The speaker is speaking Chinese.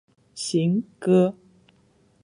行，哥！